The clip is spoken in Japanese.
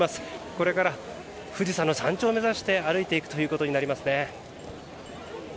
これから富士山の山頂を目指して歩いていくことになりますね。